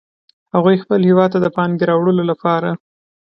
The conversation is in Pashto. هغوی خپل هیواد ته د پانګې راوړلو لپاره